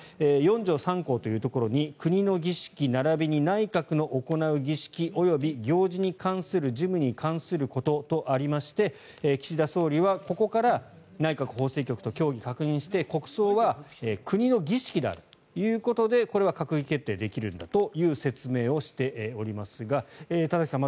４条３項というところに国の儀式並びに内閣の行う儀式及び行事に関する事務に関することとありまして岸田総理はここから内閣法制局と協議、確認して国葬は国の儀式であるということでこれは閣議決定できるんだという説明をしておりますが田崎さん